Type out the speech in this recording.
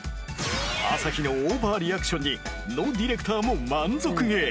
朝日のオーバーリアクションにノディレクターも満足気！